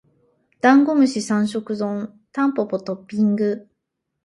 ダンゴムシ三食丼タンポポトッピング